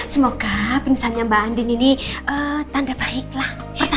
semoga pingsannya mbak andin ini tanda baiklah